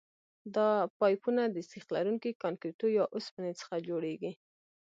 دا پایپونه د سیخ لرونکي کانکریټو یا اوسپنې څخه جوړیږي